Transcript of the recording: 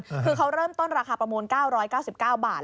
คือเขาเริ่มต้นราคาประมูล๙๙๙บาท